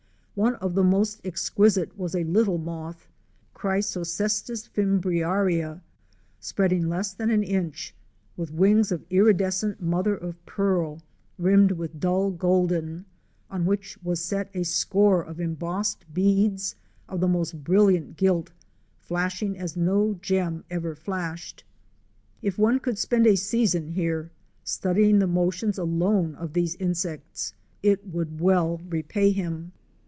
* One of the most exquisite was a little moth (Chrysocestis fimbriaria) spread ing less than an inch, with wings of iridescent mother of pearl rimmed with dull golden, on which was set a score of embossed beads of the most brilliant gilt, flashing as no gem ever flashed. If one could spend a season here studying the motions alone of these insects, it would well repay him.